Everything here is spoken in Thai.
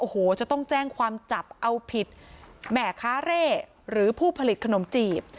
โอ้โหจะต้องแจ้งความจับเอาผิดแม่ค้าเร่หรือผู้ผลิตขนมจีบ